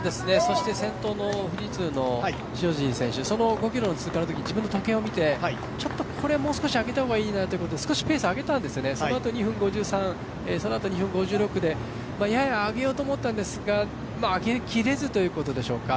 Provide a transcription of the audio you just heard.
先頭の富士通の塩尻選手、その５ｋｍ通過のとき自分で時計を見てちょっとこれはもう少し上げた方がいいなということでそのあと２分５３、そのあと２分５６でやや上げようと思ったんですが、上げきれずということでしょうか。